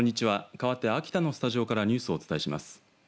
かわって秋田のスタジオからニュースをお伝えします。